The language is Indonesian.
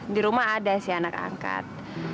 di rumah ada si anak angkat